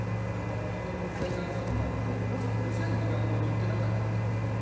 非常に国際感覚もあってロシア人の学校に行っていなかったみたいですね。